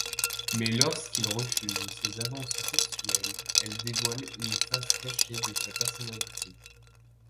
Mais lorsqu'il refuses ses avances sexuelles, elle dévoile une face cachée de sa personnalité.